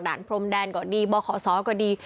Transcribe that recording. ด่านพรมแดนกว่าดีบ่อขอซ้อมกว่าดี